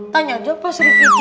tanya aja pak serikiti